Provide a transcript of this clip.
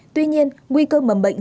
tuy nhiên nguy cơ mầm bệnh